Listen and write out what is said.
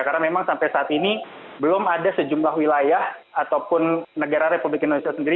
karena memang sampai saat ini belum ada sejumlah wilayah ataupun negara republik indonesia sendiri